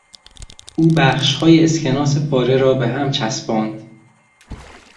او بخشهای اسکناس پاره را به هم چسباند.